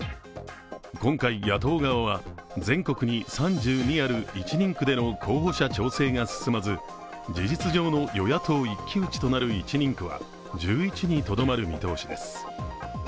今回、野党側は全国に３２ある１人区での候補者調整が進まず事実上の与野党一騎打ちとなる１人区は１１にとどまる見通しです。